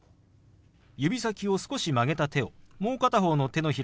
指先を少し曲げた手をもう片方の手のひらにポンと置きます。